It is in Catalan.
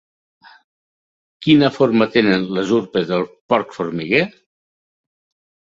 Quina forma tenen les urpes del porc formiguer?